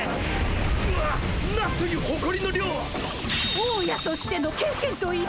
大家としての経験と意地！